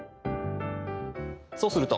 そうすると。